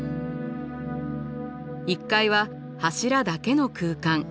１階は柱だけの空間。